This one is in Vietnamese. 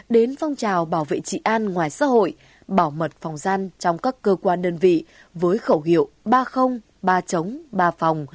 đến phong trào bảo vệ chị an ngoài xã hội bảo mật phòng gian trong các cơ quan đơn vị với khẩu hiệu ba chống ba phòng